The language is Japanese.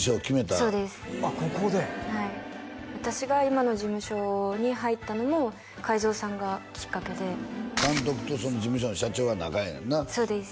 はい私が今の事務所に入ったのも海象さんがきっかけで監督とその事務所の社長が仲ええねんなそうです